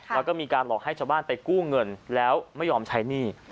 แล้วก็มีการหลอกให้ชาวบ้านไปกู้เงินแล้วไม่ยอมใช้หนี้